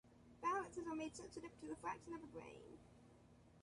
Balances are made sensitive to the fraction of a grain.